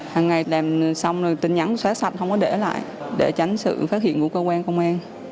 hằng ngày xong rồi tin nhắn xóa sạch không có để lại để tránh sự phát hiện của cơ quan công an